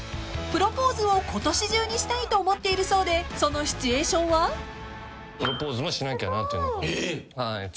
［プロポーズを今年中にしたいと思っているそうでそのシチュエーションは］えっ！